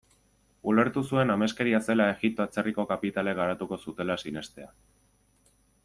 Ulertu zuen ameskeria zela Egipto atzerriko kapitalek garatuko zutela sinestea.